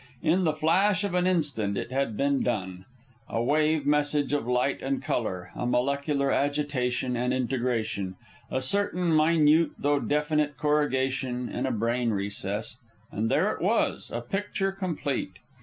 In the flash of an instant it had been done. A wave message of light and color, a molecular agitation and integration, a certain minute though definite corrugation in a brain recess, and there it was, a picture complete!